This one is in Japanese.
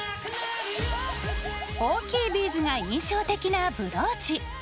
大きいビーズが印象的なブローチ。